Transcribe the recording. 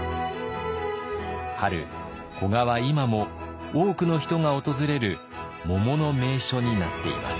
春古河は今も多くの人が訪れる桃の名所になっています。